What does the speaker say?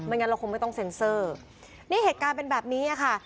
งั้นเราคงไม่ต้องเซ็นเซอร์นี่เหตุการณ์เป็นแบบนี้อ่ะค่ะ